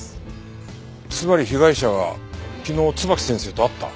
つまり被害者は昨日椿木先生と会った。